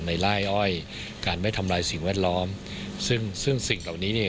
ในล่ายอ้อยการไม่ทำลายสิ่งแวดล้อมซึ่งซึ่งสิ่งตรงนี้เนี่ยเนี่ย